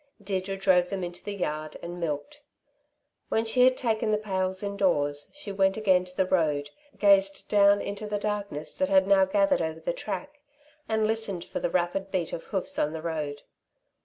Deirdre drove them into the yard and milked. When she had taken the pails indoors, she went again to the road, gazed down into the darkness that had now gathered over the track, and listened for the rapid beat of hoofs on the road.